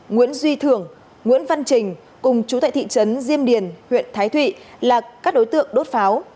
nguyễn duy thường nguyễn văn trình cùng chú tại thị trấn diêm điền huyện thái thụy là các đối tượng đốt pháo